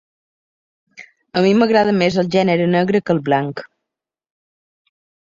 A mi m'agrada més el gènere negre que el blanc.